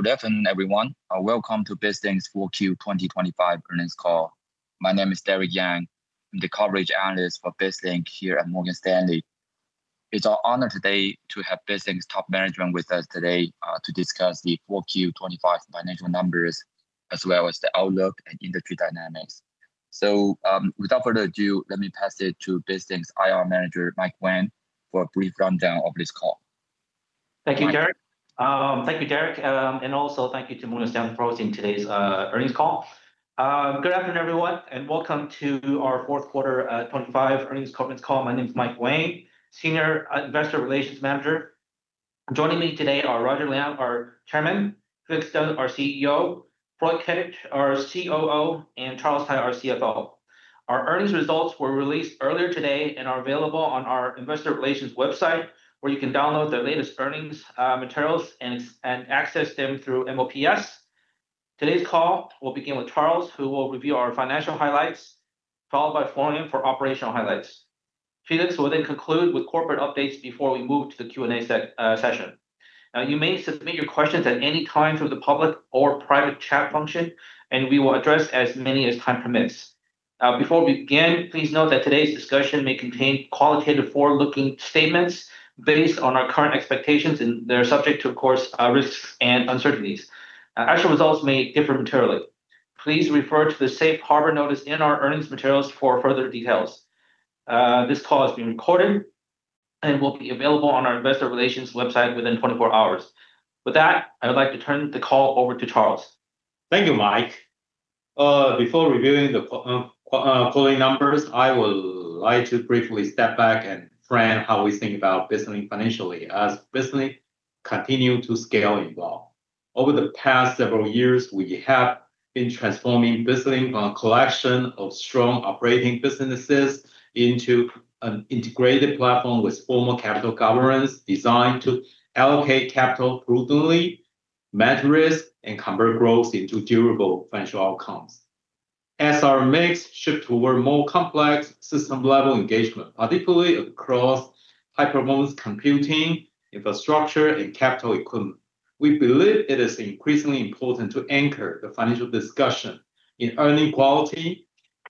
Good afternoon, everyone. welcome to BizLink's 4Q 2025 earnings call. My name is Derrick Yang. I'm the coverage analyst for BizLink here at Morgan Stanley. It's our honor today to have BizLink's top management with us today, to discuss the 4Q 2025 financial numbers as well as the outlook and industry dynamics. Without further ado, let me pass it to BizLink's Investor Relations Manager, Mike Wang, for a brief rundown of this call. Thank you, Derrick. Thank you, Derrick, thank you to Morgan Stanley for hosting today's earnings call. Good afternoon, everyone, welcome to our fourth quarter 25 earnings conference call. My name is Mike Wang, Senior Investor Relations Manager. Joining me today are Roger Liang, our Chairman; Felix Teng, our Chief Executive Officer; Florian Hettich, our Chief Operating Officer; and Charles Tsai, our Chief Financial Officer. Our earnings results were released earlier today and are available on our investor relations website, where you can download the latest earnings materials and access them through MOPS. Today's call will begin with Charles, who will review our financial highlights, followed by Florian for operational highlights. Felix will conclude with corporate updates before we move to the Q&A session. You may submit your questions at any time through the public or private chat function, and we will address as many as time permits. Before we begin, please note that today's discussion may contain qualitative forward-looking statements based on our current expectations, and they're subject to, of course, risks and uncertainties. Actual results may differ materially. Please refer to the safe harbor notice in our earnings materials for further details. This call is being recorded and will be available on our investor relations website within 24 hours. With that, I would like to turn the call over to Charles. Thank you, Mike. Before reviewing the quarterly numbers, I would like to briefly step back and frame how we think about BizLink financially as BizLink continue to scale involved. Over the past several years, we have been transforming BizLink, a collection of strong operating businesses, into an integrated platform with formal capital governance designed to allocate capital prudently, manage risk, and convert growth into durable financial outcomes. As our mix shift toward more complex system-level engagement, particularly across high-performance computing, infrastructure, and capital equipment, we believe it is increasingly important to anchor the financial discussion in earning quality,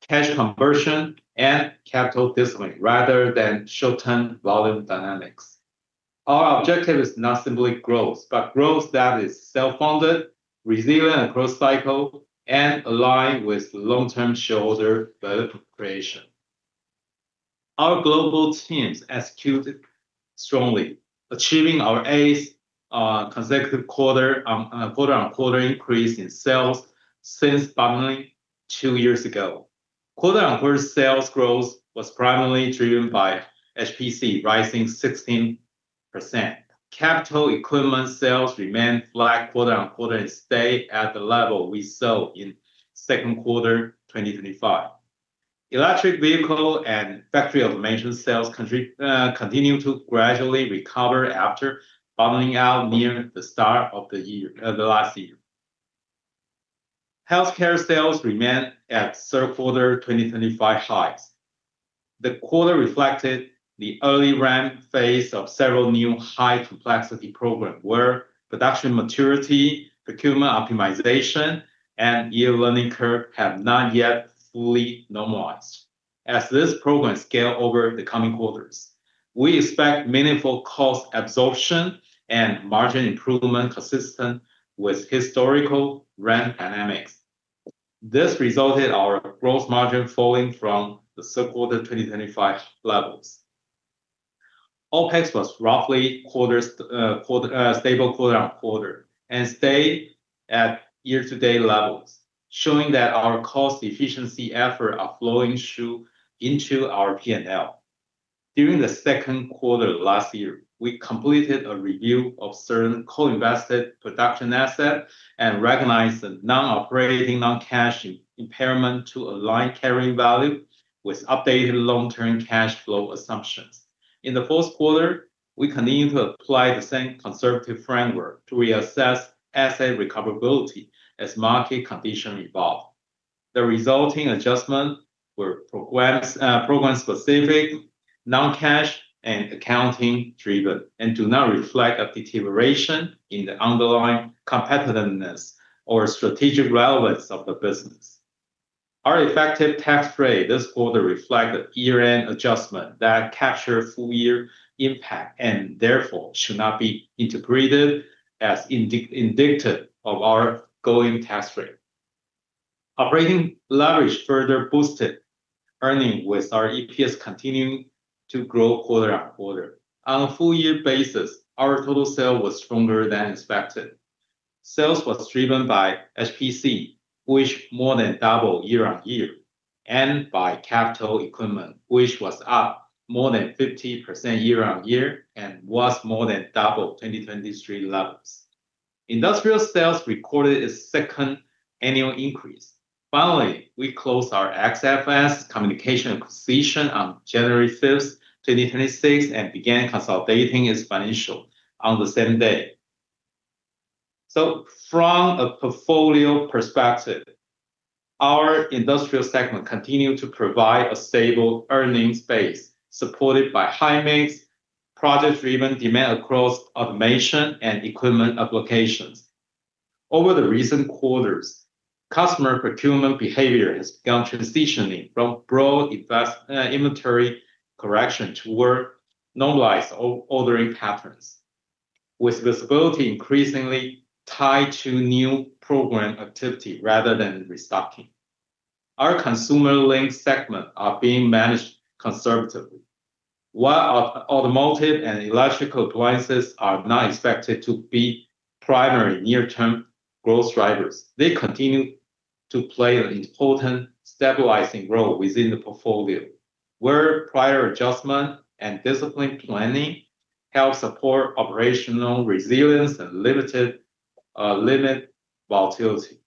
cash conversion, and capital discipline rather than short-term volume dynamics. Our objective is not simply growth, but growth that is self-funded, resilient across cycle, and aligned with long-term shareholder value creation. Our global teams executed strongly, achieving our eighth consecutive quarter-on-quarter increase in sales since bottoming two-years ago. Quarter-on-quarter sales growth was primarily driven by HPC, rising 16%. Capital equipment sales remained flat quarter-on-quarter and stayed at the level we saw in 2Q 2025. Electric vehicle and factory automation sales continued to gradually recover after bottoming out near the start of the year, the last year. Healthcare sales remained at 3Q 2025 highs. The quarter reflected the early ramp phase of several new high-complexity programs where production maturity, procurement optimization, and yield learning curve have not yet fully normalized. As these programs scale over the coming quarters, we expect meaningful cost absorption and margin improvement consistent with historical ramp dynamics. This resulted our gross margin falling from the 2Q 2025 levels. OpEx was roughly stable quarter-on-quarter and stayed at year-to-date levels, showing that our cost efficiency efforts are flowing through into our P&L. During the second quarter of last year, we completed a review of certain co-invested production assets and recognized the non-operating non-cash impairment to align carrying value with updated long-term cash flow assumptions. In the fourth quarter, we continue to apply the same conservative framework to reassess asset recoverability as market conditions evolve. The resulting adjustments were program-specific, non-cash, and accounting driven, and do not reflect a deterioration in the underlying competitiveness or strategic relevance of the business. Our effective tax rate this quarter reflect the year-end adjustment that capture full-year impact and therefore should not be integrated as indicative of our ongoing tax rate. Operating leverage further boosted earnings with our EPS continuing to grow quarter-on-quarter. On a full year basis, our total sale was stronger than expected. Sales was driven by HPC, which more than double year-on-year, and by capital equipment, which was up more than 50% year-on-year and was more than double 2023 levels. Industrial sales recorded its second annual increase. Finally, we closed our XFS Communications acquisition on January 5, 2026 and began consolidating its financial on the same day. From a portfolio perspective, our industrial segment continue to provide a stable earnings base supported by high mix, project-driven demand across automation and equipment applications. Over the recent quarters, customer procurement behavior has begun transitioning from broad inventory correction toward normalized ordering patterns, with visibility increasingly tied to new program activity rather than restocking. Our consumer-linked segment are being managed conservatively, while our automotive and electrical appliances are not expected to be primary near-term growth drivers. They continue to play an important stabilizing role within the portfolio, where prior adjustment and disciplined planning help support operational resilience and limited, limit volatility.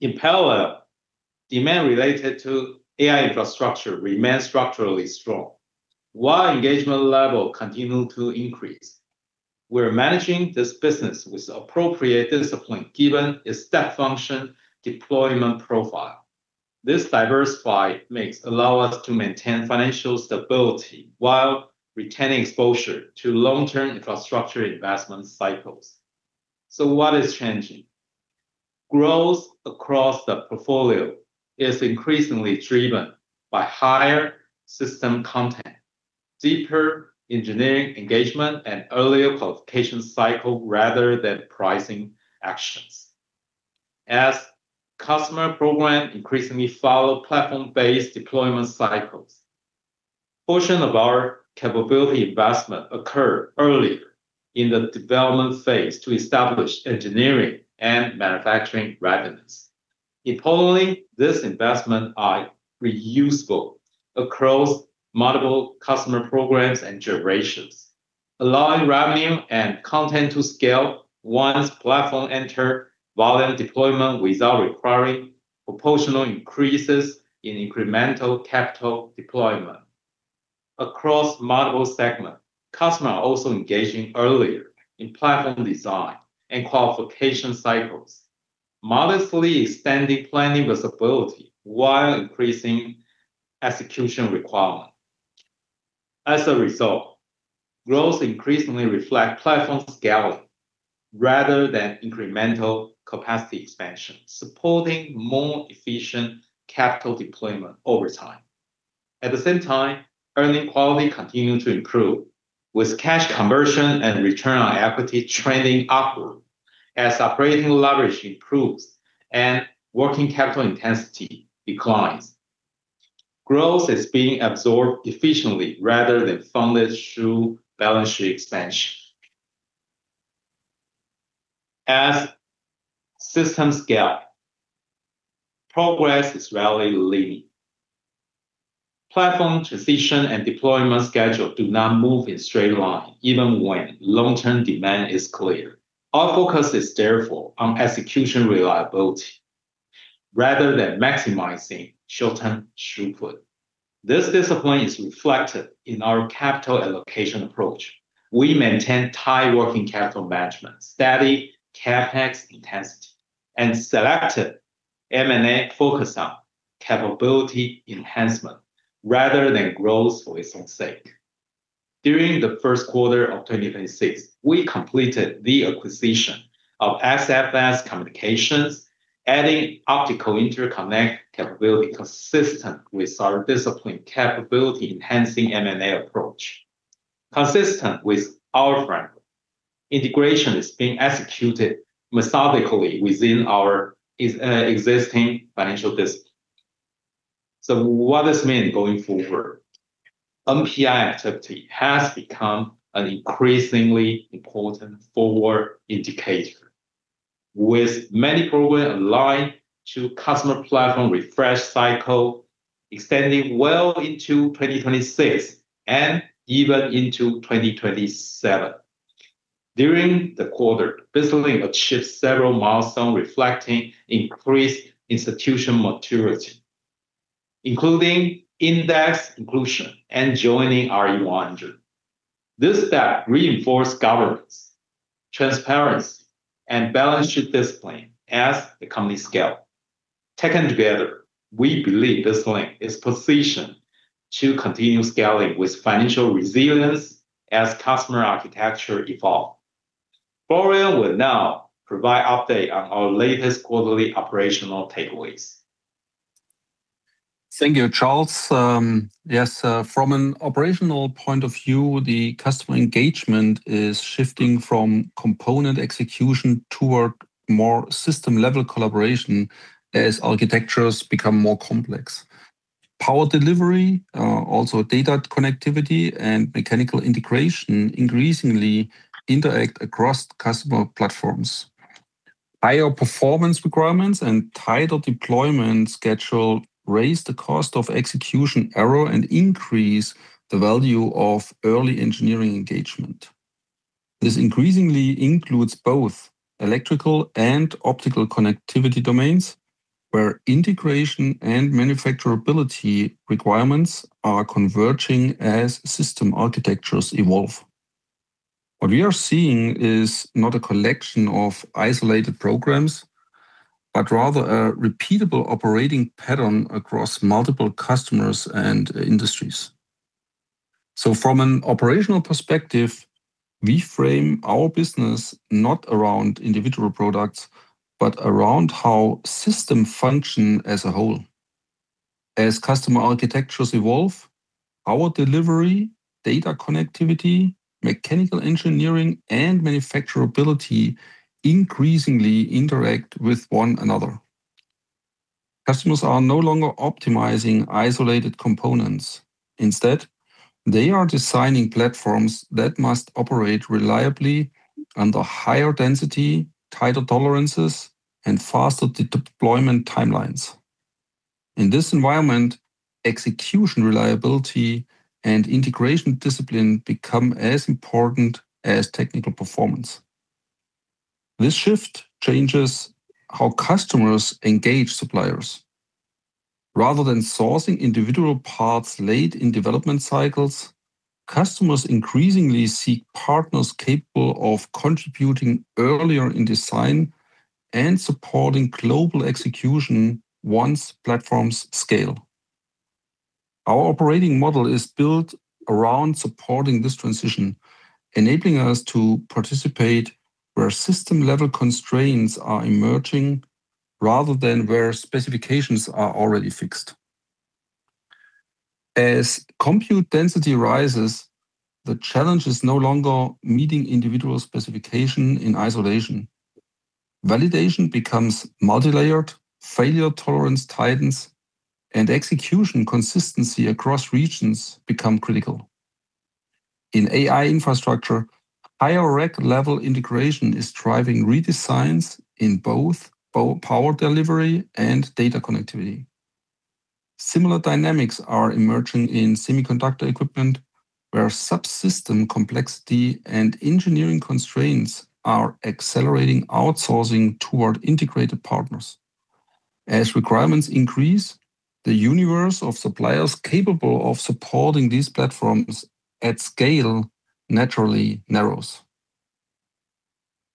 In parallel, demand related to AI infrastructure remains structurally strong, while engagement level continue to increase. We're managing this business with appropriate discipline given its step function deployment profile. This diversified mix allow us to maintain financial stability while retaining exposure to long-term infrastructure investment cycles. What is changing? Growth across the portfolio is increasingly driven by higher system content, deeper engineering engagement, and earlier qualification cycle rather than pricing actions. As customer program increasingly follow platform-based deployment cycles, portion of our capability investment occur earlier in the development phase to establish engineering and manufacturing readiness. Importantly, this investment are reusable across multiple customer programs and generations, allowing revenue and content to scale once platform enter volume deployment without requiring proportional increases in incremental capital deployment. Across multiple segment, customer are also engaging earlier in platform design and qualification cycles, modestly extending planning visibility while increasing execution requirement. As a result, growth increasingly reflect platform scaling rather than incremental capacity expansion, supporting more efficient capital deployment over time. At the same time, earning quality continue to improve with cash conversion and return on equity trending upward as operating leverage improves and working capital intensity declines. Growth is being absorbed efficiently rather than funded through balance sheet expansion. As system scale, progress is rarely linear. Platform transition and deployment schedule do not move in straight line even when long-term demand is clear. Our focus is therefore on execution reliability rather than maximizing short-term throughput. This discipline is reflected in our capital allocation approach. We maintain tight working capital management, steady CapEx intensity, and selected M&A focus on capability enhancement rather than growth for its own sake. During the first quarter of 2026, we completed the acquisition of XFS Communications, Inc., adding optical interconnect capability consistent with our disciplined capability-enhancing M&A approach. Consistent with our framework, integration is being executed methodically within our existing financial discipline. What this mean going forward? NPI activity has become an increasingly important forward indicator, with many program aligned to customer platform refresh cycle extending well into 2026 and even into 2027. During the quarter, BizLink achieved several milestone reflecting increased institutional maturity, including index inclusion and joining Russell 2000. This step reinforce governance, transparency, and balanced discipline as the company scale. Taken together, we believe BizLink is positioned to continue scaling with financial resilience as customer architecture evolve. Florian will now provide update on our latest quarterly operational takeaways. Thank you, Charles. Yes, from an operational point of view, the customer engagement is shifting from component execution toward more system-level collaboration as architectures become more complex. Power delivery, also data connectivity and mechanical integration increasingly interact across customer platforms. Higher performance requirements and tighter deployment schedule raise the cost of execution error and increase the value of early engineering engagement. This increasingly includes both electrical and optical connectivity domains, where integration and manufacturability requirements are converging as system architectures evolve. What we are seeing is not a collection of isolated programs, but rather a repeatable operating pattern across multiple customers and industries. From an operational perspective, we frame our business not around individual products, but around how systems function as a whole. As customer architectures evolve, our delivery, data connectivity, mechanical engineering, and manufacturability increasingly interact with one another. Customers are no longer optimizing isolated components. Instead, they are designing platforms that must operate reliably under higher density, tighter tolerances, and faster de-deployment timelines. In this environment, execution reliability and integration discipline become as important as technical performance. This shift changes how customers engage suppliers. Rather than sourcing individual parts late in development cycles, customers increasingly seek partners capable of contributing earlier in design and supporting global execution once platforms scale. Our operating model is built around supporting this transition, enabling us to participate where system-level constraints are emerging rather than where specifications are already fixed. As compute density rises, the challenge is no longer meeting individual specification in isolation. Validation becomes multilayered, failure tolerance tightens, and execution consistency across regions become critical. In AI infrastructure, higher rack-level integration is driving redesigns in both power delivery and data connectivity. Similar dynamics are emerging in semiconductor equipment, where subsystem complexity and engineering constraints are accelerating outsourcing toward integrated partners. As requirements increase, the universe of suppliers capable of supporting these platforms at scale naturally narrows.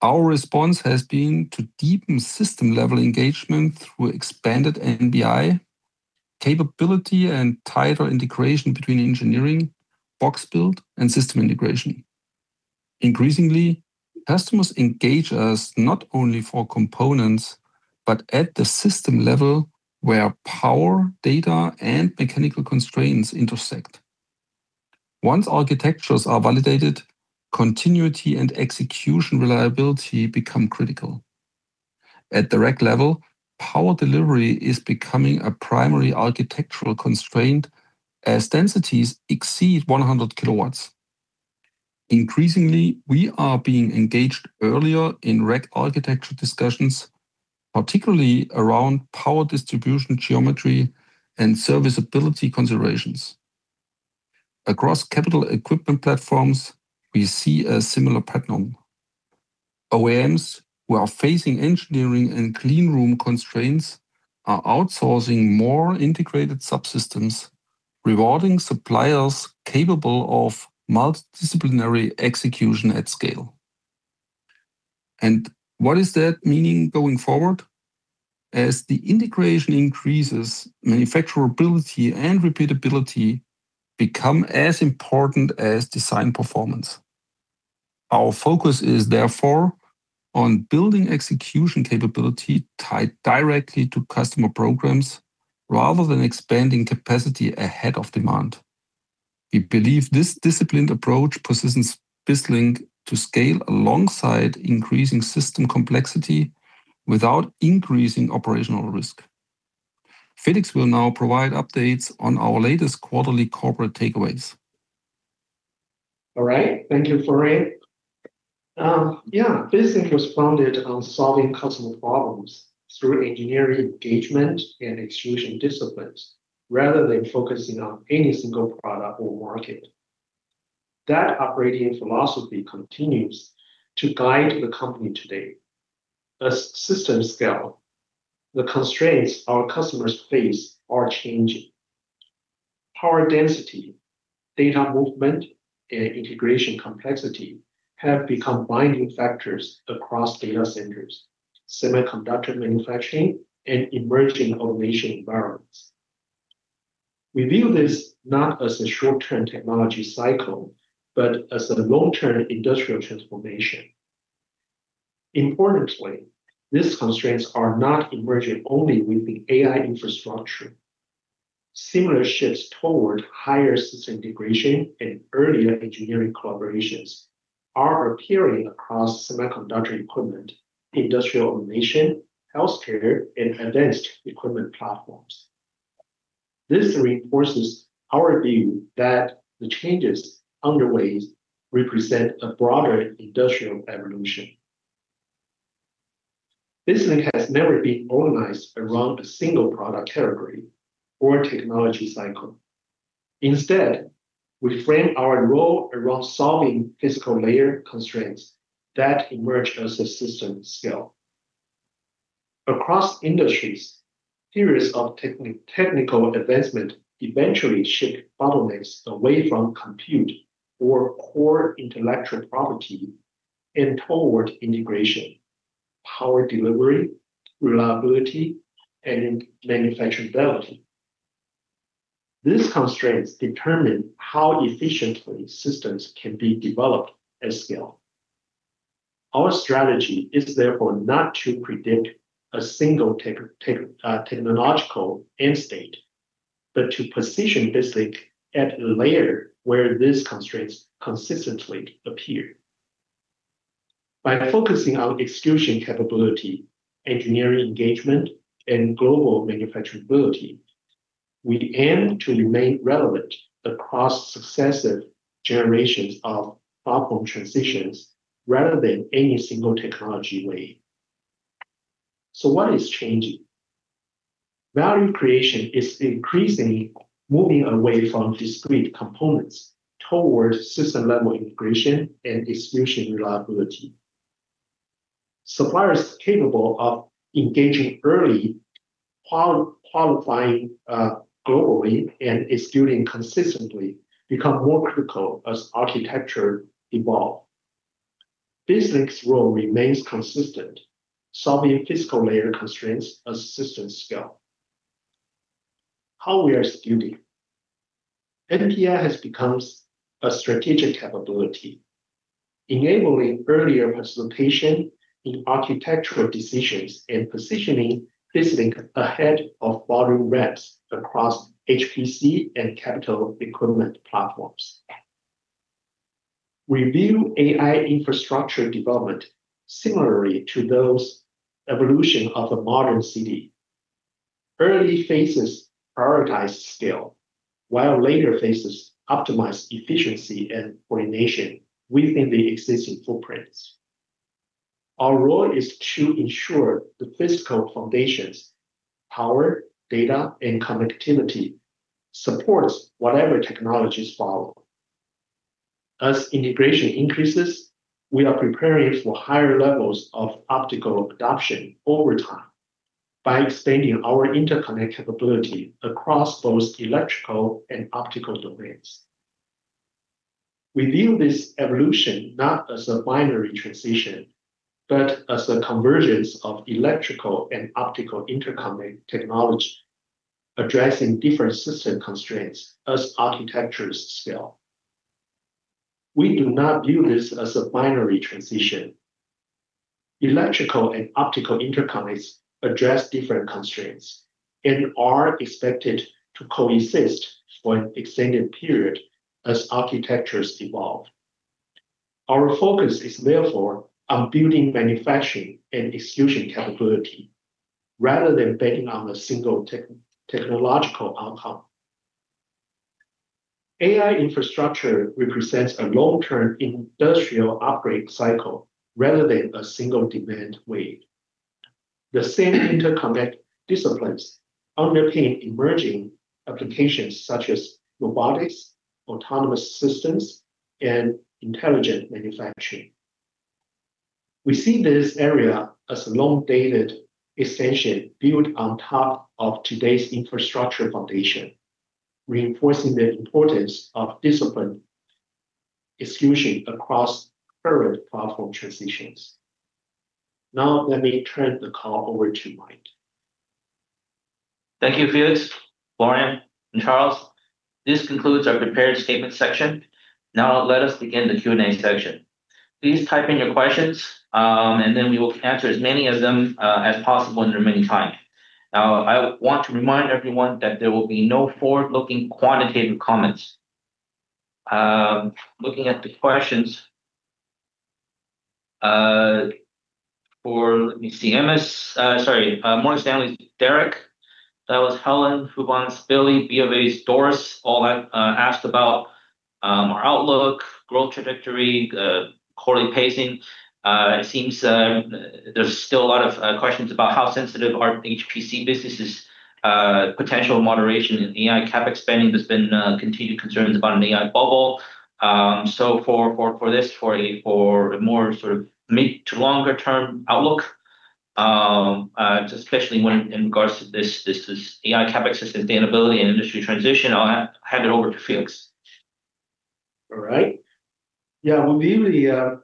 Our response has been to deepen system-level engagement through expanded NPI capability and tighter integration between engineering, box build, and system integration. Increasingly, customers engage us not only for components, but at the system level, where power, data, and mechanical constraints intersect. Once architectures are validated, continuity and execution reliability become critical. At the rack level, power delivery is becoming a primary architectural constraint as densities exceed 100 kW. Increasingly, we are being engaged earlier in rack architecture discussions, particularly around power distribution geometry and serviceability considerations. Across capital equipment platforms, we see a similar pattern. OEMs, who are facing engineering and cleanroom constraints, are outsourcing more integrated subsystems, rewarding suppliers capable of multidisciplinary execution at scale. What is that meaning going forward? As the integration increases, manufacturability and repeatability become as important as design performance. Our focus is therefore on building execution capability tied directly to customer programs rather than expanding capacity ahead of demand. We believe this disciplined approach positions BizLink to scale alongside increasing system complexity without increasing operational risk. Felix will now provide updates on our latest quarterly corporate takeaways. All right. Thank you, Florian. yeah, BizLink was founded on solving customer problems through engineering engagement and execution disciplines rather than focusing on any single product or market. That operating philosophy continues to guide the company today. As systems scale, the constraints our customers face are changing. Power density, data movement, and integration complexity have become binding factors across data centers, semiconductor manufacturing, and emerging automation environments. We view this not as a short-term technology cycle, but as a long-term industrial transformation. Importantly, these constraints are not emerging only within AI infrastructure. Similar shifts toward higher system integration and earlier engineering collaborations are appearing across semiconductor equipment, industrial automation, healthcare, and advanced equipment platforms. This reinforces our view that the changes underway represent a broader industrial evolution. BizLink has never been organized around a single product category or technology cycle. Instead, we frame our role around solving physical layer constraints that emerge as the systems scale. Across industries, periods of technical advancement eventually shift bottlenecks away from compute or core intellectual property and toward integration, power delivery, reliability, and manufacturability. These constraints determine how efficiently systems can be developed at scale. Our strategy is not to predict a single tech technological end state, but to position BizLink at a layer where these constraints consistently appear. By focusing on execution capability, engineering engagement, and global manufacturability, we aim to remain relevant across successive generations of platform transitions rather than any single technology wave. What is changing? Value creation is increasingly moving away from discrete components towards system-level integration and execution reliability. Suppliers capable of engaging early, qualifying globally, and executing consistently become more critical as architecture evolve. BizLink's role remains consistent, solving physical layer constraints as systems scale. How we are executing. NPI has becomes a strategic capability, enabling earlier participation in architectural decisions and positioning BizLink ahead of volume ramps across HPC and capital equipment platforms. We view AI infrastructure development similarly to those evolution of the modern city. Early phases prioritize scale, while later phases optimize efficiency and coordination within the existing footprints. Our role is to ensure the physical foundations, power, data, and connectivity supports whatever technologies follow. As integration increases, we are preparing for higher levels of optical adoption over time by expanding our interconnect capability across both electrical and optical domains. We view this evolution not as a binary transition, but as a convergence of electrical and optical interconnect technology addressing different system constraints as architectures scale. We do not view this as a binary transition. Electrical and optical interconnects address different constraints and are expected to coexist for an extended period as architectures evolve. Our focus is therefore on building manufacturing and execution capability rather than betting on a single technological outcome. AI infrastructure represents a long-term industrial upgrade cycle rather than a single demand wave. The same interconnect disciplines underpin emerging applications such as robotics, autonomous systems, and intelligent manufacturing. We see this area as a long-dated extension built on top of today's infrastructure foundation, reinforcing the importance of disciplined execution across current platform transitions. Now let me turn the call over to Mike. Thank you, Felix, Florian, and Charles. This concludes our prepared statement section. Now let us begin the Q&A section. Please type in your questions, and then we will answer as many of them as possible under remaining time. Now, I want to remind everyone that there will be no forward-looking quantitative comments. Looking at the questions. Let me see. MS, sorry, Morgan Stanley's Derek. That was Helen, BofA's Doris, all have asked about our outlook, growth trajectory, quarterly pacing. It seems there's still a lot of questions about how sensitive our HPC business is, potential moderation in AI CapEx spending. There's been continued concerns about an AI bubble. For this, for a more sort of mid to longer term outlook, especially when in regards to this is AI CapEx's sustainability and industry transition, I'll hand it over to Felix. All right. Yeah, we view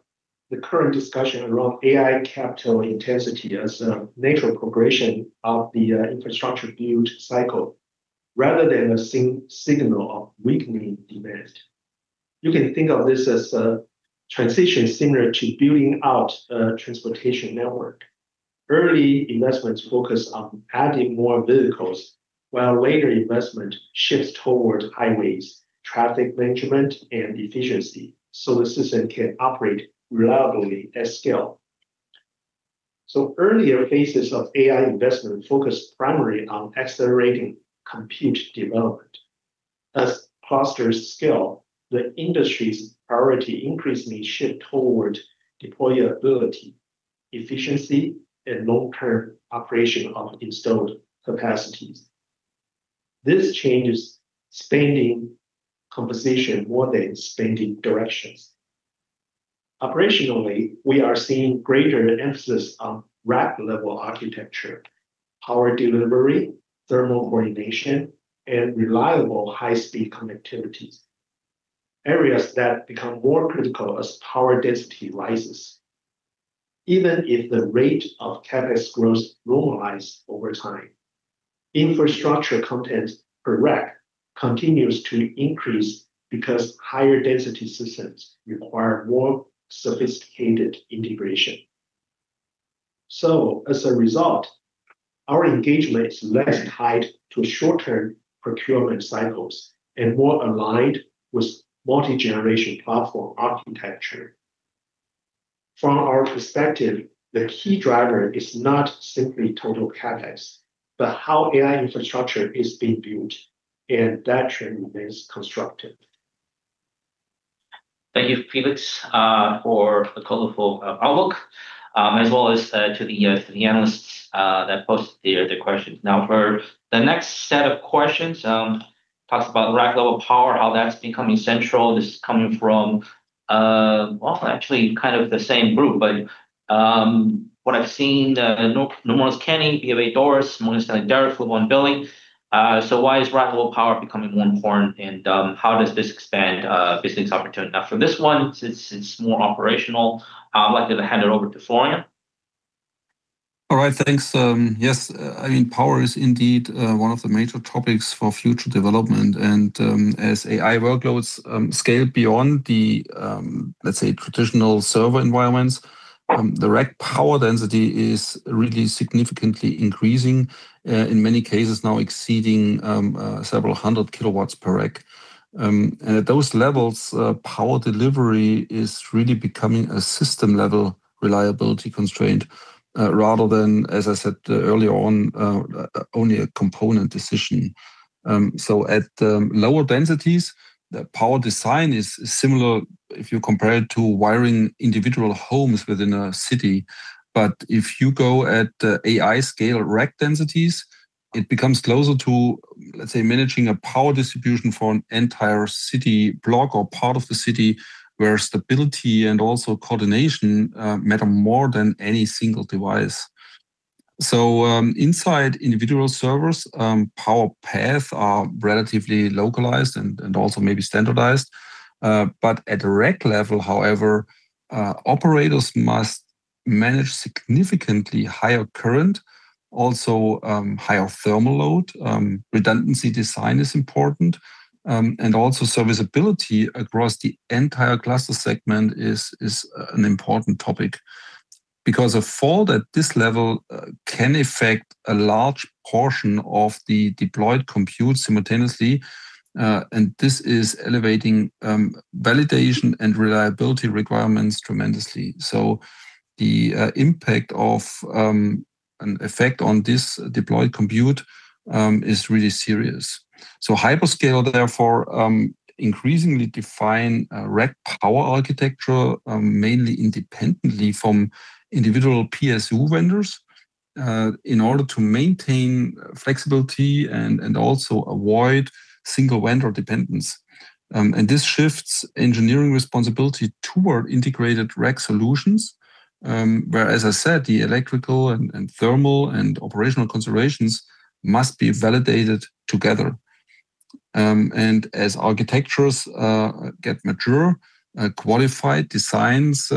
the current discussion around AI capital intensity as a natural progression of the infrastructure build cycle rather than a signal of weakening demand. You can think of this as a transition similar to building out a transportation network. Early investments focus on adding more vehicles, while later investment shifts toward highways, traffic management, and efficiency, so the system can operate reliably at scale. Earlier phases of AI investment focused primarily on accelerating compute development. As clusters scale, the industry's priority increasingly shift toward deployability, efficiency, and long-term operation of installed capacities. This changes spending composition more than spending directions. Operationally, we are seeing greater emphasis on rack-level architecture, power delivery, thermal coordination, and reliable high-speed connectivity. Areas that become more critical as power density rises. Even if the rate of CapEx growth normalize over time, infrastructure content per rack continues to increase because higher density systems require more sophisticated integration. As a result, our engagement is less tied to short-term procurement cycles and more aligned with multi-generation platform architecture. From our perspective, the key driver is not simply total CapEx, but how AI infrastructure is being built, and that trend is constructive. Thank you, Felix, for a colorful outlook, as well as to the analysts that posted their questions. For the next set of questions, talks about rack-level power, how that's becoming central. This is coming from, well, actually kind of the same group. What I've seen, Nomura's Kenny, BofA Doris, Morgan Stanley Derek, Goldman Billy. Why is rack-level power becoming more important, and how does this expand business opportunity? For this one, since it's more operational, I'd like to hand it over to Florian. All right. Thanks. yes, I mean, power is indeed one of the major topics for future development. As AI workloads scale beyond the, let's say, traditional server environments, the rack power density is really significantly increasing, in many cases now exceeding several 100 kW per rack. At those levels, power delivery is really becoming a system-level reliability constraint, rather than, as I said earlier on, only a component decision. At lower densities, the power design is similar if you compare it to wiring individual homes within a city. If you go at the AI scale rack densities, it becomes closer to, let's say, managing a power distribution for an entire city block or part of the city, where stability and also coordination matter more than any single device. Inside individual servers, power path are relatively localized and also maybe standardized. At rack level, however, operators must manage significantly higher current, also, higher thermal load. Redundancy design is important, and also serviceability across the entire cluster segment is an important topic. A fault at this level can affect a large portion of the deployed compute simultaneously, and this is elevating validation and reliability requirements tremendously. The impact of an effect on this deployed compute is really serious. Hyperscale therefore, increasingly define rack power architecture, mainly independently from individual PSU vendors, in order to maintain flexibility and also avoid single vendor dependence. This shifts engineering responsibility toward integrated rack solutions, where, as I said, the electrical and thermal and operational considerations must be validated together. As architectures get mature, qualified designs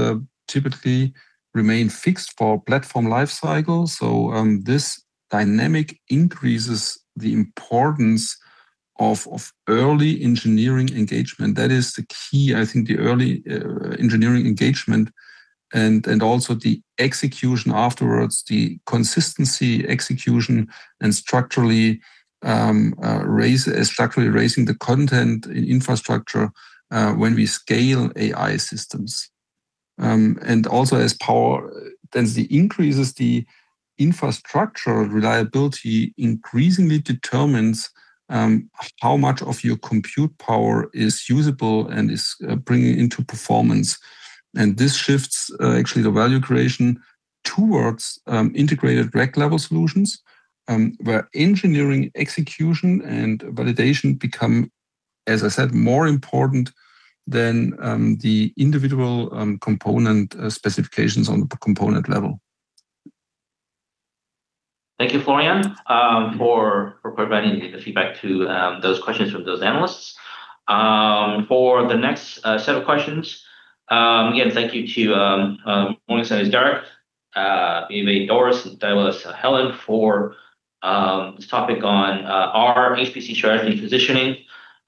typically remain fixed for platform life cycle. This dynamic increases the importance of early engineering engagement. That is the key, I think the early engineering engagement and also the execution afterwards, the consistency execution and structurally raising the content in infrastructure when we scale AI systems. Also as power density increases, the infrastructure reliability increasingly determines how much of your compute power is usable and is bringing into performance. This shifts, actually the value creation towards integrated rack-level solutions, where engineering execution and validation become, as I said, more important than the individual component specifications on the component level. Thank you, Florian, for providing the feedback to those questions from those analysts. For the next set of questions, again, thank you to Morgan Stanley's Derek, BofA Doris, and Daiwa's Helen for this topic on our HPC strategy positioning.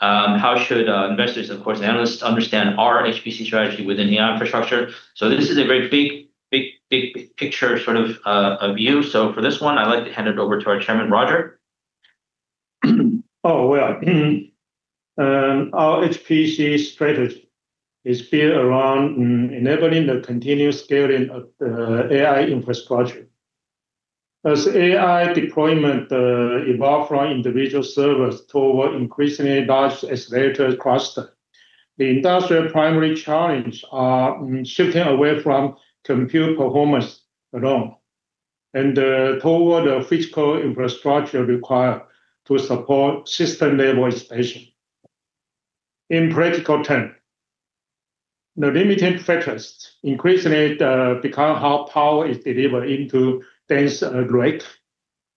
How should investors, of course, analysts understand our HPC strategy within AI infrastructure? This is a very big picture sort of view. For this one, I'd like to hand it over to our Chairman, Roger. Well, our HPC strategy is built around enabling the continuous scaling of the AI infrastructure. As AI deployment evolve from individual servers toward increasingly large accelerated cluster, the industrial primary challenge are shifting away from compute performance alone. Toward the physical infrastructure required to support system-level expansion. In practical terms, the limiting factors increasingly become how power is delivered into dense rack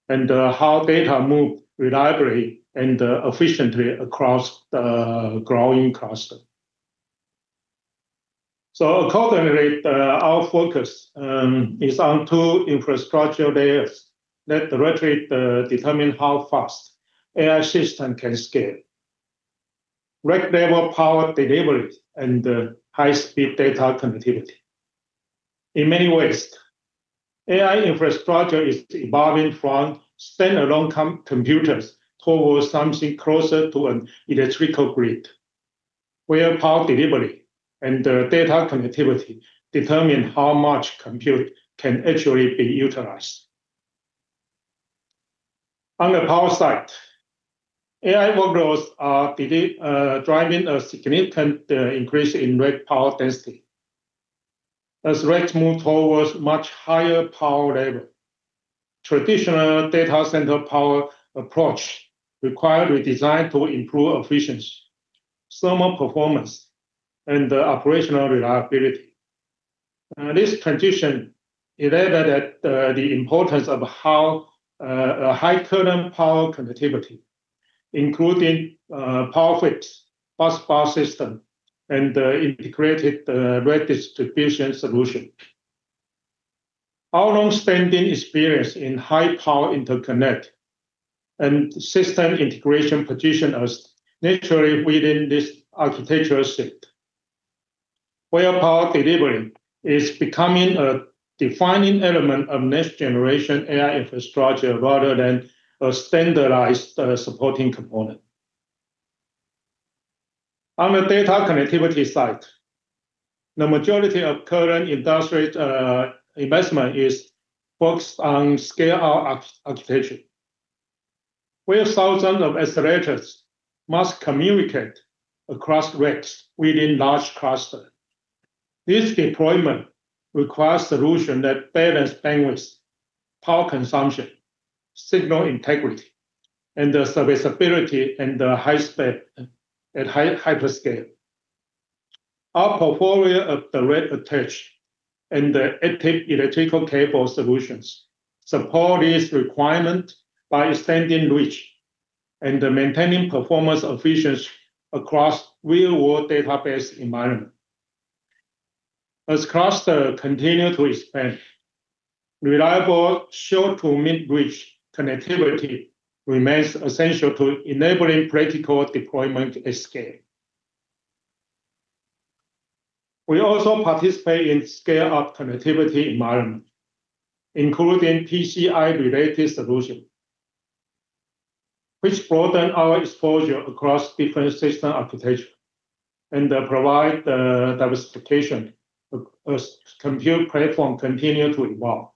and how data move reliably and efficiently across the growing cluster. Accordingly, our focus is on two infrastructure layers that directly determine how fast AI system can scale. Rack-level power delivery and high-speed data connectivity. In many ways, AI infrastructure is evolving from standalone computers towards something closer to an electrical grid, where power delivery and data connectivity determine how much compute can actually be utilized. On the power side, AI workloads are driving a significant increase in rack power density. As racks move towards much higher power level, traditional data center power approach require redesign to improve efficiency, thermal performance, and operational reliability. This transition highlighted the importance of how a high current power connectivity, including power feeds, busbar system, and integrated rack distribution solution. Our long-standing experience in high power interconnect and system integration position us naturally within this architectural shift, where power delivery is becoming a defining element of next generation AI infrastructure rather than a standardized supporting component. On the data connectivity side, the majority of current industry investment is focused on scale-out architecture, where thousands of accelerators must communicate across racks within large cluster. This deployment requires solution that balance bandwidth, power consumption, signal integrity, and the serviceability and the high speed at high-hyperscale. Our portfolio of direct attach and active electrical cable solutions support this requirement by extending reach and maintaining performance efficiency across real-world database environment. As cluster continue to expand, reliable short to mid-reach connectivity remains essential to enabling practical deployment at scale. We also participate in scale-up connectivity environment, including PCI-related solution, which broaden our exposure across different system architecture and provide diversification as compute platform continue to evolve.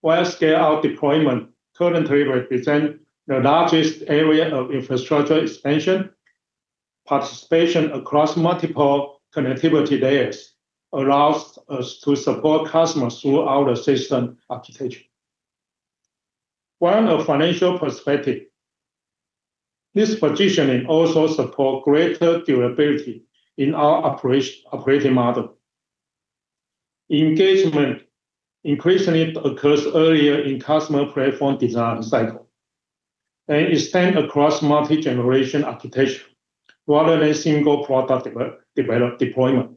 While scale-out deployment currently represent the largest area of infrastructure expansion, participation across multiple connectivity layers allows us to support customers throughout the system architecture. From a financial perspective, this positioning also support greater durability in our operation, operating model. Engagement increasingly occurs earlier in customer platform design cycle and extend across multi-generation architecture rather than single product deployment.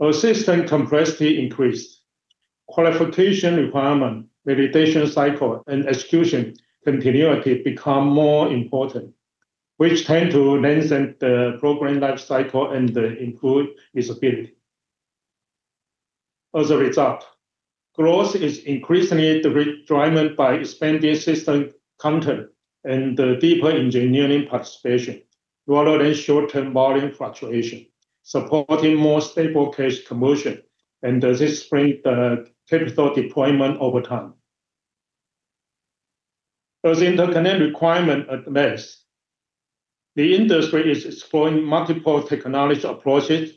As system complexity increase, qualification requirement, validation cycle, and execution continuity become more important, which tend to lengthen the program life cycle and include visibility. As a result, growth is increasingly driven by expanding system content and deeper engineering participation rather than short-term volume fluctuation, supporting more stable cash conversion, and disciplined capital deployment over time. As interconnect requirement advance, the industry is exploring multiple technology approaches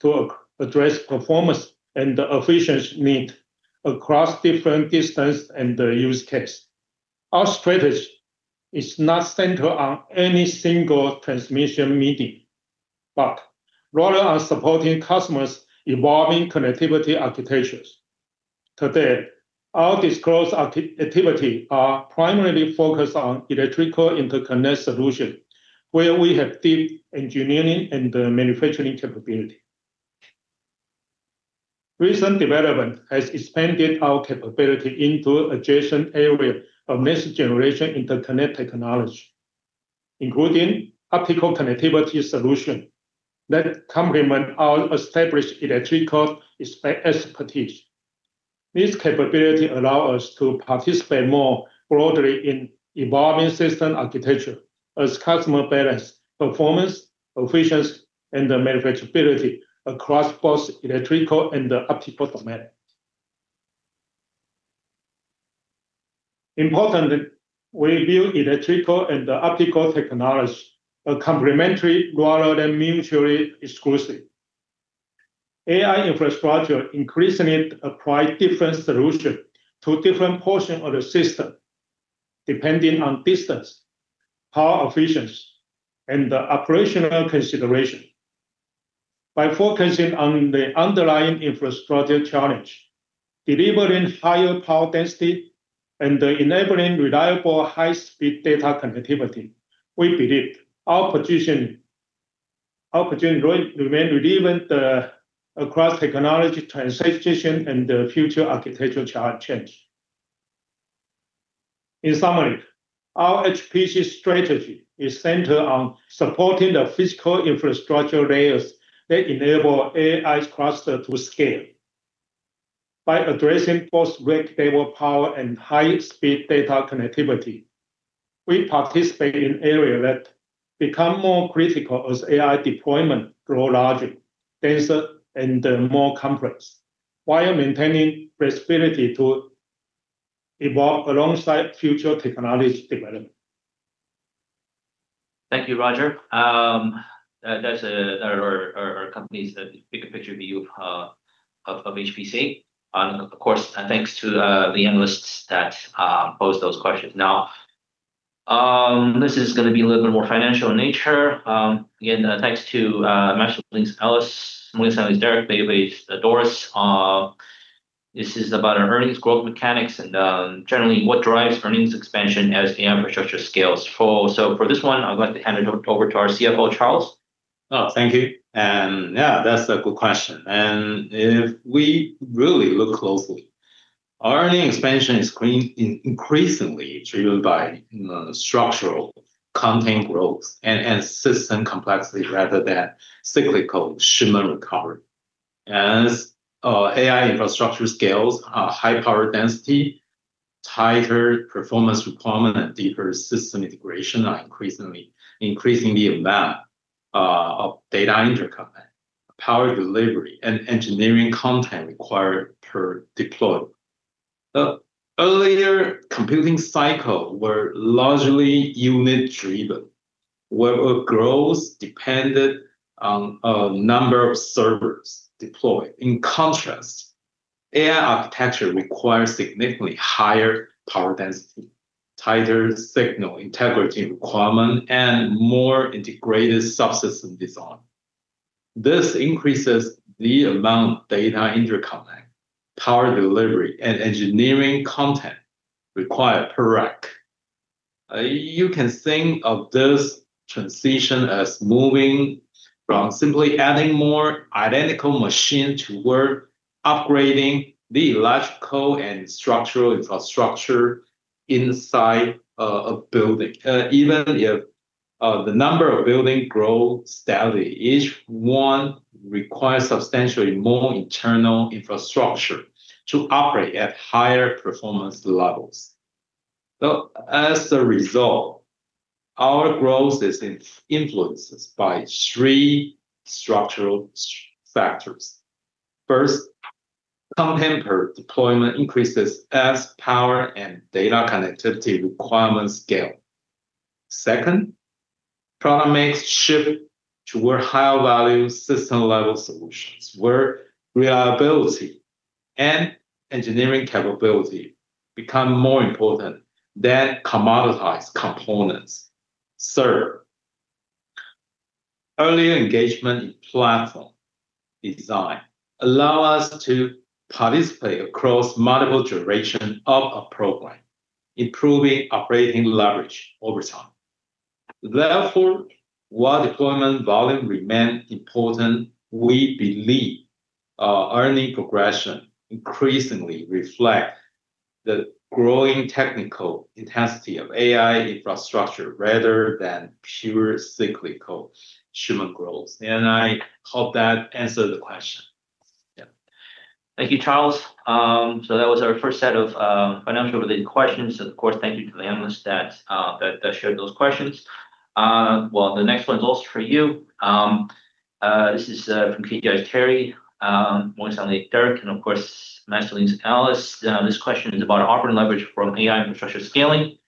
to address performance and efficiency need across different distance and the use case. Our strategy is not centered on any single transmission media, but rather on supporting customers' evolving connectivity architectures. Today, our disclosed activity are primarily focused on electrical interconnect solution, where we have deep engineering and manufacturing capability. Recent development has expanded our capability into adjacent area of next-generation interconnect technology, including optical connectivity solution that complement our established electrical expertise. This capability allow us to participate more broadly in evolving system architecture as customer balance performance, efficiency, and the manufacturability across both electrical and optical domain. Important that we view electrical and optical technology are complementary rather than mutually exclusive. AI infrastructure increasingly apply different solution to different portion of the system depending on distance, power efficiency, and the operational consideration. By focusing on the underlying infrastructure challenge, delivering higher power density and enabling reliable high-speed data connectivity, we believe our opportunity remain relevant across technology transition and the future architectural change. In summary, our HPC strategy is centered on supporting the physical infrastructure layers that enable AI cluster to scale. By addressing both rack-level power and high-speed data connectivity, we participate in area that become more critical as AI deployment grow larger, denser, and more complex, while maintaining flexibility to evolve alongside future technology development. Thank you, Roger. That's our company's big picture view of HPC. Of course, thanks to the analysts that posed those questions. This is gonna be a little bit more financial in nature. Again, thanks to BofA Securities, Alice, Morgan Stanley's Derrick, Bank of America's Doris. This is about our earnings growth mechanics and generally what drives earnings expansion as the infrastructure scales for. For this one, I'd like to hand it over to our Chief Fianacial Officer, Charles. Yeah, that's a good question. If we really look closely, our earning expansion is increasingly driven by structural content growth and system complexity rather than cyclical shipment recovery. As AI infrastructure scales, high power density, tighter performance requirement, and deeper system integration are increasing the amount of data interconnect, power delivery, and engineering content required per deployment. The earlier computing cycle were largely unit-driven, where growth depended on a number of servers deployed. In contrast, AI architecture requires significantly higher power density, tighter signal integrity requirement, and more integrated subsystem design. This increases the amount of data interconnect, power delivery, and engineering content required per rack. You can think of this transition as moving from simply adding more identical machine toward upgrading the electrical and structural infrastructure inside a building. Even if the number of building grow steadily, each one requires substantially more internal infrastructure to operate at higher performance levels. As a result, our growth is influenced by three structural factors. First, content per deployment increases as power and data connectivity requirements scale. Second, product mix shift toward higher value system level solutions where reliability and engineering capability become more important than commoditized components. Third, earlier engagement in platform design allow us to participate across multiple generation of a program, improving operating leverage over time. While deployment volume remain important, we believe our earning progression increasingly reflect the growing technical intensity of AI infrastructure rather than pure cyclical shipment growth. I hope that answered the question. Yeah. Thank you, Charles. That was our first set of financial related questions. Of course, thank you to the analysts that shared those questions. Well, the next one's also for you. This is from UBS' Terry, Morgan Stanley's Derrick and of course Merrill Lynch's Alice. This question is about our operating leverage from AI infrastructure scaling.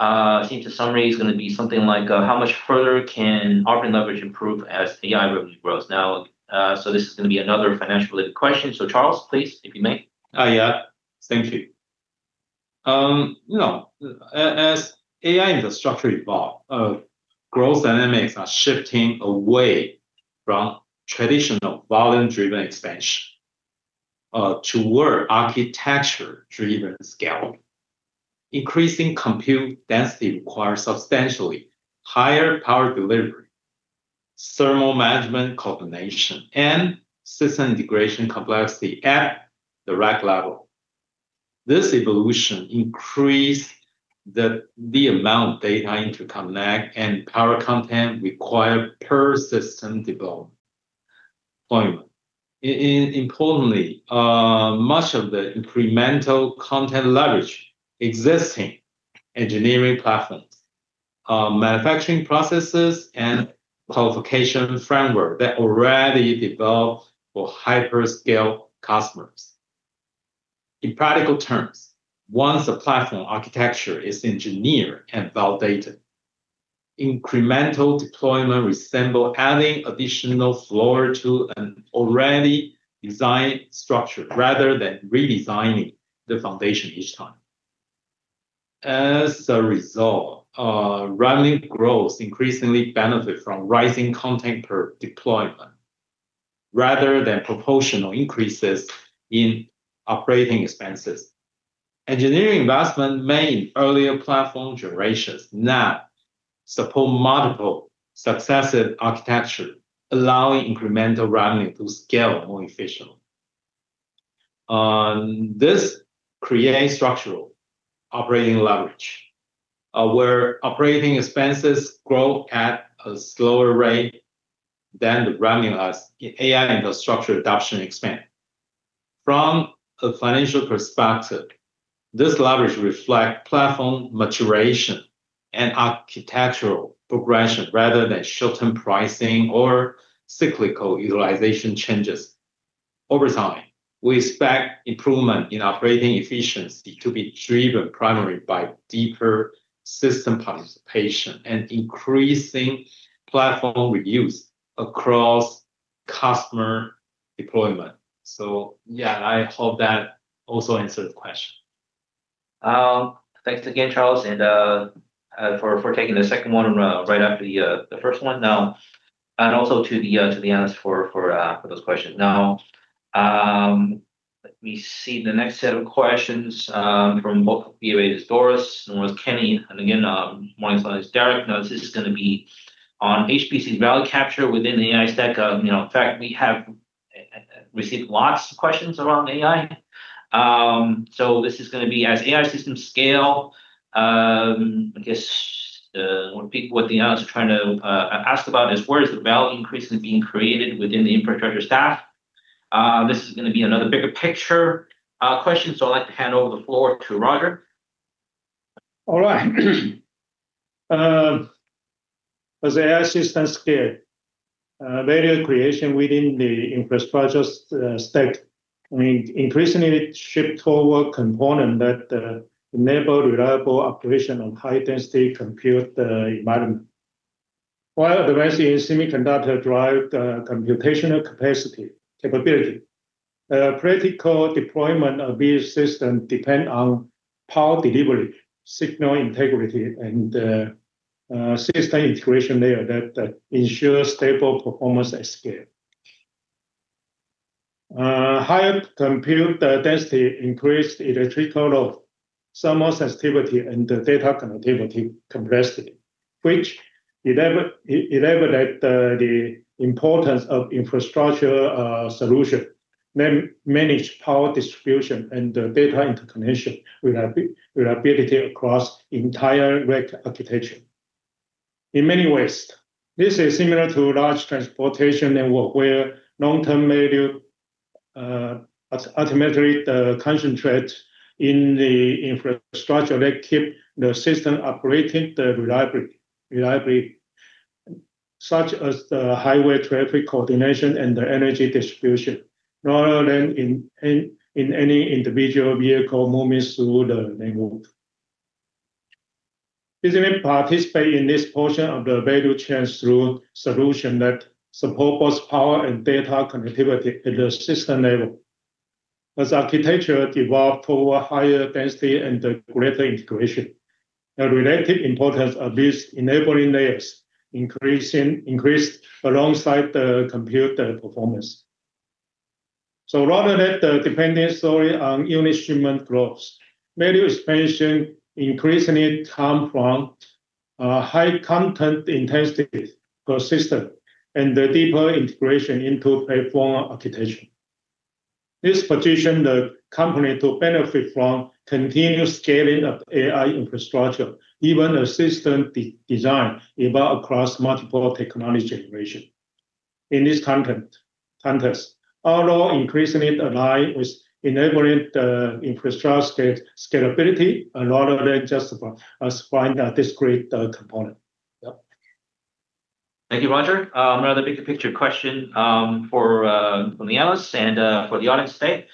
I think the summary is gonna be something like how much further can operating leverage improve as AI revenue grows? Now, this is gonna be another financial related question. Charles, please, if you may. Yeah. Thank you. You know, as AI infrastructure evolve, growth dynamics are shifting away from traditional volume-driven expansion toward architecture-driven scale. Increasing compute density requires substantially higher power delivery, thermal management coordination, and system integration complexity at the rack level. This evolution increase the amount of data interconnect and power content required per system deployment. Importantly, much of the incremental content leverage existing engineering platforms Manufacturing processes and qualification framework that already developed for hyperscale customers. In practical terms, once a platform architecture is engineered and validated, incremental deployment resemble adding additional floor to an already designed structure rather than redesigning the foundation each time. As a result, revenue growth increasingly benefit from rising content per deployment rather than proportional increases in operating expenses. Engineering investment made in earlier platform generations now support multiple successive architecture, allowing incremental revenue to scale more efficiently. This creates structural operating leverage, where operating expenses grow at a slower rate than the revenue as AI infrastructure adoption expand. From a financial perspective, this leverage reflect platform maturation and architectural progression rather than short-term pricing or cyclical utilization changes. Over time, we expect improvement in operating efficiency to be driven primarily by deeper system participation and increasing platform reuse across customer deployment. Yeah, I hope that also answered the question. Thanks again, Charles, for taking the second one right after the first one. Also to the analysts for those questions. Let me see the next set of questions from both Doris and Kenny. Again, one is Derek. This is gonna be on HPC value capture within the AI stack. You know, in fact, we have received lots of questions around AI. This is gonna be as AI systems scale, I guess, what the analysts are trying to ask about is where is the value increasingly being created within the infrastructure stack? This is gonna be another bigger picture question. I'd like to hand over the floor to Roger. All right. as AI systems scale, value creation within the infrastructure stack, I mean, increasingly shift toward component that enable reliable operation on high density compute environment. While the rise in semiconductor drive the computational capacity capability, practical deployment of these system depend on power delivery, signal integrity, and system integration layer that ensure stable performance at scale. Higher compute density increased electrical of thermal sensitivity and the data connectivity complexity, which elevate the importance of infrastructure solution, manage power distribution and the data interconnection reliability across entire rack architecture. In many ways, this is similar to large transportation network where long-term value, ultimately, concentrate in the infrastructure that keep the system operating reliably, such as the highway traffic coordination and the energy distribution, rather than in any individual vehicle movements through the neighborhood. Business participate in this portion of the value chain through solution that support both power and data connectivity at the system level. As architecture evolve toward higher density and greater integration, the relative importance of these enabling layers increased alongside the computer performance. Rather than the dependency on unit shipment growth, value expansion increasingly come from high content intensity per system and the deeper integration into platform architecture. This position the company to benefit from continuous scaling of AI infrastructure, even a system design evolve across multiple technology generation. In this context, our role increasingly align with enabling the infrastructure scalability rather than just us find a discrete component. Yep. Thank you, Roger. Another bigger picture question for from the analysts and for the audience today.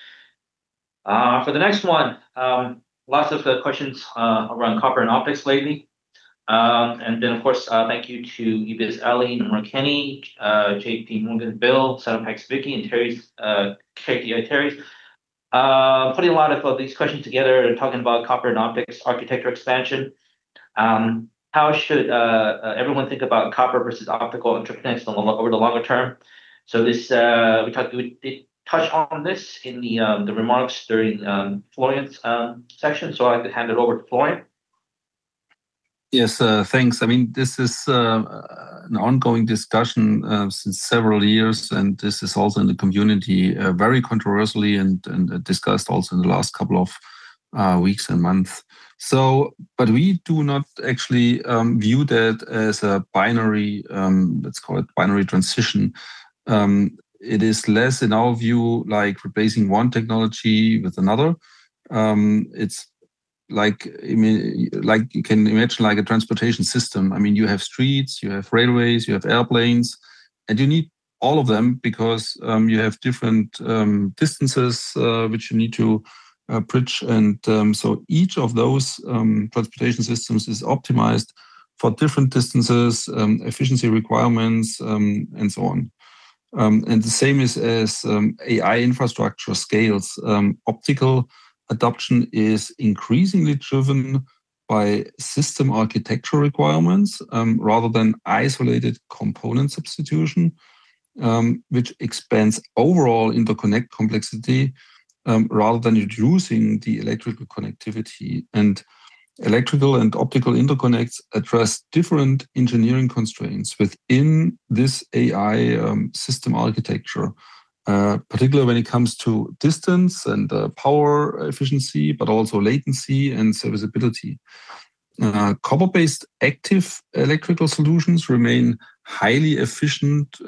For the next one, lots of questions around copper and optics lately. Then of course, thank you to Ebiz, Ellen, Kenny, J.P. Morgan, Bill, Saturn Pax, Vicky and Terry's. Putting a lot of these questions together and talking about copper and optics architecture expansion. How should everyone think about copper versus optical interconnects over the longer term? This we did touch on this in the remarks during Florian's section. I could hand it over to Florian. Yes, thanks. I mean, this is an ongoing discussion since several years, and this is also in the community very controversially and discussed also in the last couple of weeks and months. We do not actually view that as a binary, let's call it binary transition. It is less in our view, like replacing one technology with another. I mean, like you can imagine like a transportation system. I mean, you have streets, you have railways, you have airplanes, and you need all of them because you have different distances which you need to bridge. Each of those transportation systems is optimized for different distances, efficiency requirements, and so on. The same is AI infrastructure scales. Optical adoption is increasingly driven by system architecture requirements, rather than isolated component substitution, which expands overall interconnect complexity, rather than reducing the electrical connectivity. Electrical and optical interconnects address different engineering constraints within this AI system architecture, particularly when it comes to distance and power efficiency, but also latency and serviceability. Copper-based active electrical solutions remain highly efficient,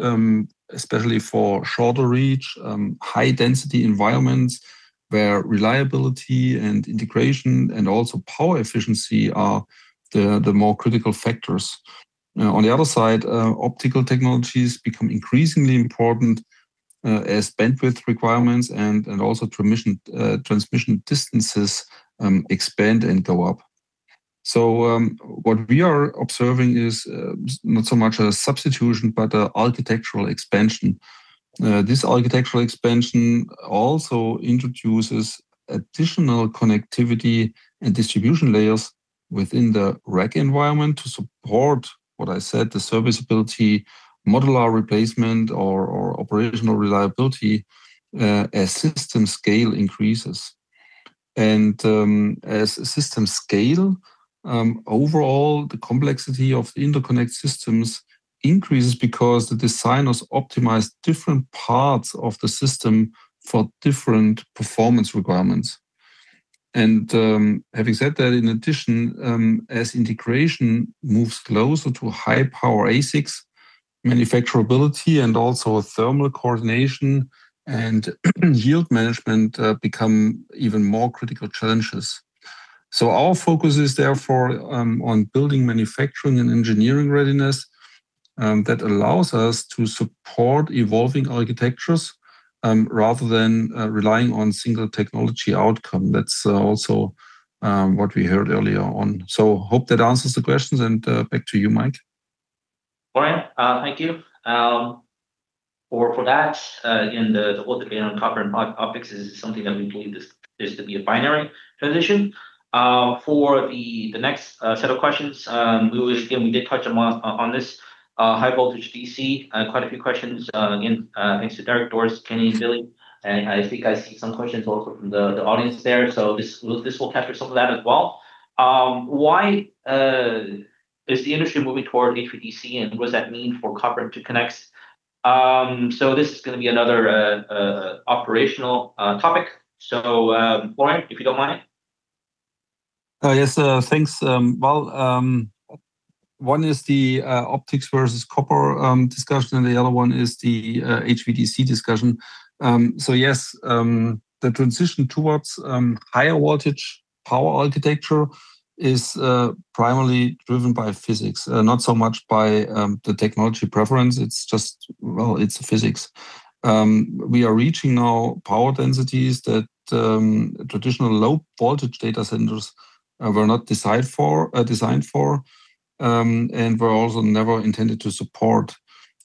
especially for shorter reach, high density environments where reliability and integration and also power efficiency are the more critical factors. On the other side, optical technologies become increasingly important, as bandwidth requirements and also transmission distances expand and go up. What we are observing is not so much a substitution, but a architectural expansion. This architectural expansion also introduces additional connectivity and distribution layers within the rack environment to support what I said, the serviceability, modular replacement or operational reliability as system scale increases. As system scale, overall the complexity of the interconnect systems increases because the designers optimize different parts of the system for different performance requirements. Having said that, in addition, as integration moves closer to high power ASICs, manufacturability and also thermal coordination and yield management become even more critical challenges. Our focus is therefore on building, manufacturing and engineering readiness that allows us to support evolving architectures rather than relying on single technology outcome. That's also what we heard earlier on. Hope that answers the questions and back to you, Mike. All right. Thank you for that. Again, the whole debate on copper and optics is something that we believe is to be a binary transition. For the next set of questions, we will again, we did touch on this high voltage DC, quite a few questions, again, thanks to Derek, Doris, Kenny, and Billy. I think I see some questions also from the audience there. This will capture some of that as well. Why is the industry moving toward HVDC, and what does that mean for copper interconnects? This is going to be another operational topic. Florian, if you don't mind. Yes, thanks. Well, one is the optics versus copper discussion, and the other one is the HVDC discussion. Yes, the transition towards higher voltage power architecture is primarily driven by physics, not so much by the technology preference. It's just. Well, it's physics. We are reaching now power densities that traditional low voltage data centers were not designed for, and were also never intended to support.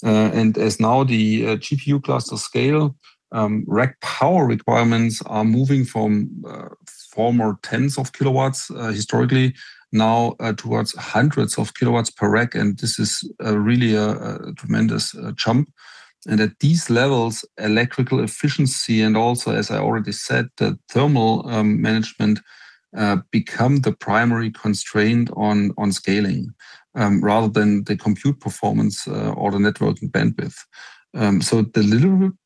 As now the GPU cluster scale rack power requirements are moving from former 10 kW, historically, now towards 100 kW per rack, and this is really a tremendous jump. At these levels, electrical efficiency and also, as I already said, the thermal management become the primary constraint on scaling rather than the compute performance or the networking bandwidth.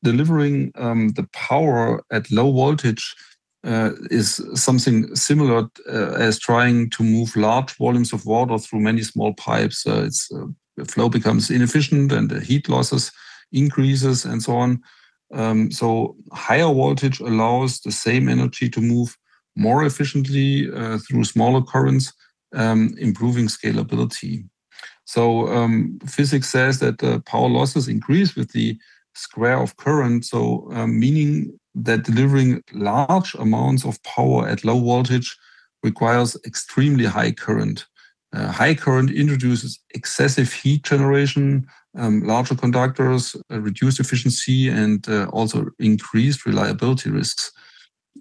Delivering the power at low voltage is something similar as trying to move large volumes of water through many small pipes. Its flow becomes inefficient and the heat losses increases and so on. Higher voltage allows the same energy to move more efficiently through smaller currents improving scalability. Physics says that the power losses increase with the square of current, meaning that delivering large amounts of power at low voltage requires extremely high current. High current introduces excessive heat generation, larger conductors, reduced efficiency and also increased reliability risks.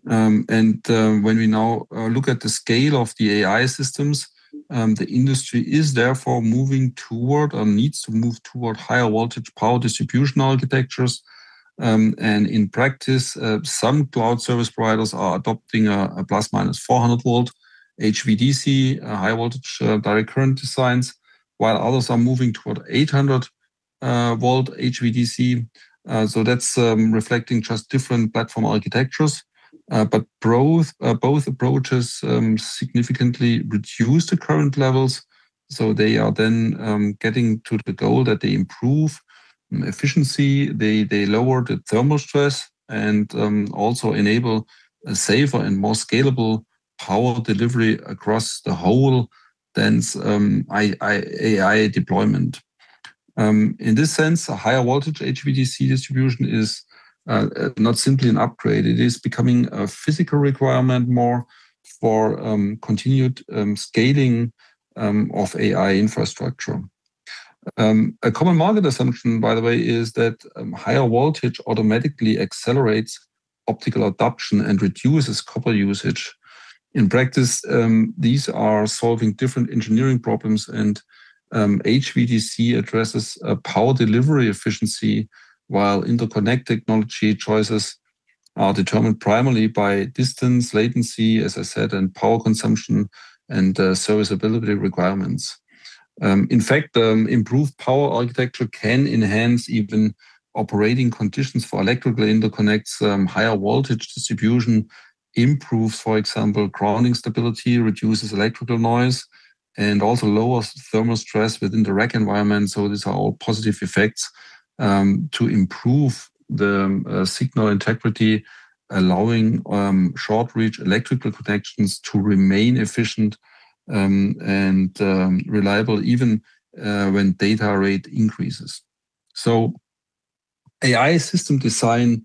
When we now look at the scale of the AI systems, the industry is therefore moving toward or needs to move toward higher voltage power distribution architectures. In practice, some cloud service providers are adopting a plus or minus 400 volt HVDC, high voltage, direct current designs, while others are moving toward 800 volt HVDC. That's reflecting just different platform architectures. Both approaches significantly reduce the current levels, so they are then getting to the goal that they improve efficiency, they lower the thermal stress and also enable a safer and more scalable power delivery across the whole dense AI deployment. In this sense, a higher voltage HVDC distribution is not simply an upgrade, it is becoming a physical requirement more for continued scaling of AI infrastructure. A common market assumption, by the way, is that higher voltage automatically accelerates optical adoption and reduces copper usage. In practice, these are solving different engineering problems and HVDC addresses power delivery efficiency while interconnect technology choices are determined primarily by distance latency, as I said, and power consumption and serviceability requirements. In fact, improved power architecture can enhance even operating conditions for electrical interconnects. Higher voltage distribution improves, for example, grounding stability, reduces electrical noise, and also lowers thermal stress within the rack environment. These are all positive effects to improve the signal integrity, allowing short reach electrical protections to remain efficient and reliable even when data rate increases. AI system design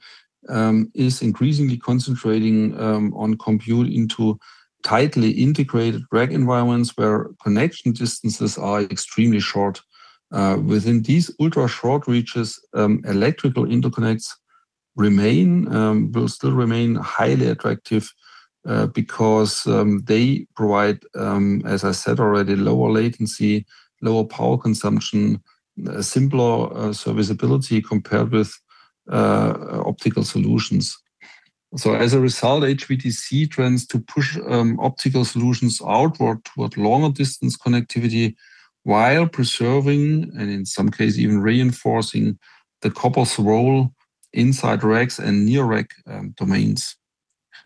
is increasingly concentrating on compute into tightly integrated rack environments where connection distances are extremely short. Within these ultra-short reaches, electrical interconnects will still remain highly attractive because they provide, as I said already, lower latency, lower power consumption, simpler serviceability compared with optical solutions. As a result, HVDC trends to push optical solutions outward toward longer distance connectivity while preserving, and in some cases even reinforcing, the copper's role inside racks and near-rack domains.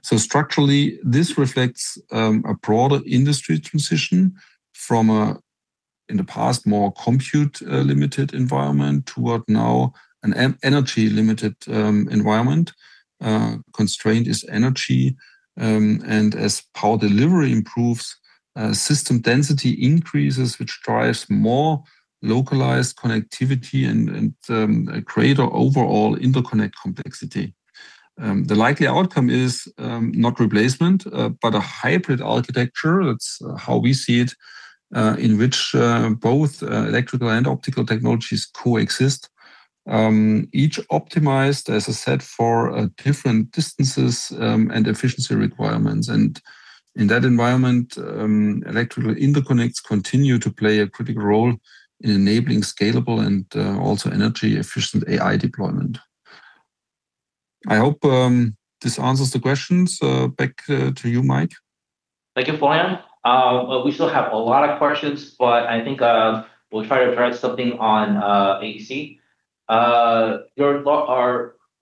Structurally, this reflects a broader industry transition from a, in the past, more compute limited environment toward now an energy limited environment. Constraint is energy, and as power delivery improves, system density increases, which drives more localized connectivity and a greater overall interconnect complexity. The likely outcome is not replacement, but a hybrid architecture, that's how we see it, in which both electrical and optical technologies coexist. Each optimized, as I said, for different distances, and efficiency requirements. In that environment, electrical interconnects continue to play a critical role in enabling scalable and also energy-efficient AI deployment. I hope this answers the questions. Back to you, Mike. Thank you, Florian. We still have a lot of questions, but I think we'll try to address something on AEC.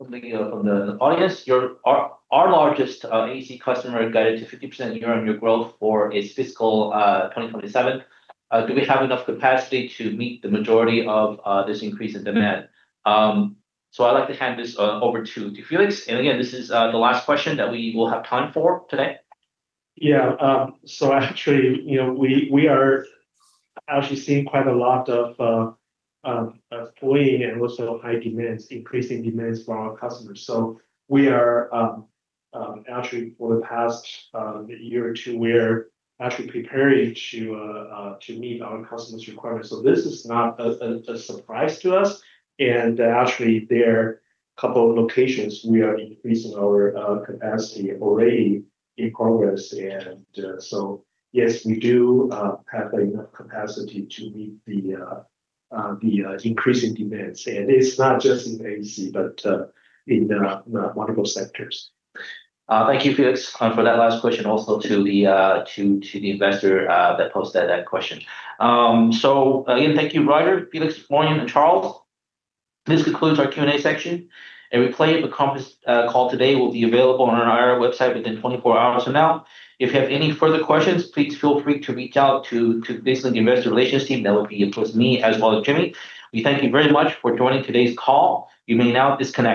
Our largest AEC customer guided to 50% year-on-year growth for its fiscal 2027. Do we have enough capacity to meet the majority of this increase in demand? I'd like to hand this over to Felix. Again, this is the last question that we will have time for today. Yeah. Actually, you know, we are actually seeing quite a lot of pulling and also high demands, increasing demands from our customers. We are actually for the past year or two, we're actually preparing to meet our customers' requirements. This is not a surprise to us. Actually, there are a couple of locations we are increasing our capacity already in progress. Yes, we do have enough capacity to meet the increasing demands. It's not just in AEC but in multiple sectors. Thank you, Felix, for that last question, also to the investor that posted that question. Again, thank you Ryder, Felix, Florian, and Charles. This concludes our Q&A section. A replay of the conference call today will be available on our IR website within 24 hours from now. If you have any further questions, please feel free to reach out to BizLink's Investor Relations team. That would be, of course, me as well as Jimmy. We thank you very much for joining today's call. You may now disconnect.